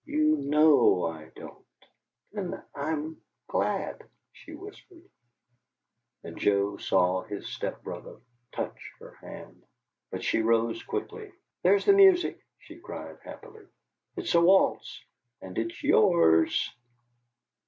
"You KNOW I don't!" "Then I'm glad," she whispered, and Joe saw his step brother touch her hand, but she rose quickly. "There's the music," she cried, happily. "It's a waltz, and it's YOURS!"